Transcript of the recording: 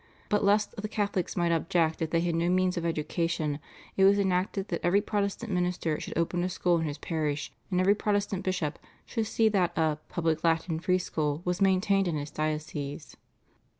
But lest the Catholics might object that they had no means of education, it was enacted that every Protestant minister should open a school in his parish, and every Protestant bishop should see that a "public Latin free school" was maintained in his diocese.